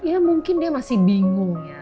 ya mungkin dia masih bingung ya